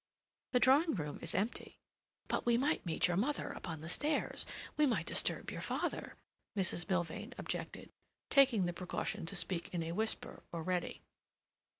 "The drawing room is empty—" "But we might meet your mother upon the stairs. We might disturb your father," Mrs. Milvain objected, taking the precaution to speak in a whisper already.